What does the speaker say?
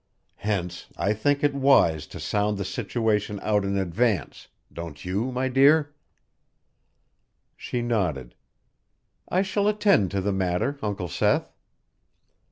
Hence I think it wise to sound the situation out in advance, don't you, my dear?" She nodded. "I shall attend to the matter, Uncle Seth."